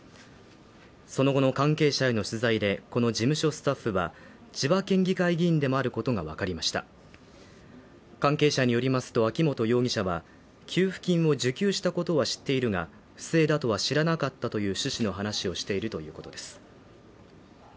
その後の関係者への取材でこの事務所スタッフは千葉県議会議員でもあることが分かりました関係者によりますと秋本容疑者は給付金を受給したことは知っているが不正だとは知らなかったという趣旨の話をしているということです